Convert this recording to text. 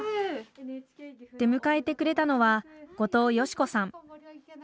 出迎えてくれたのは後藤佳子さん